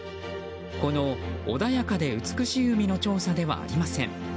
この穏やかで美しい海の調査ではありません。